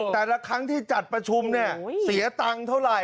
แต่ละครั้งที่จัดประชุมเนี่ยเสียตังค์เท่าไหร่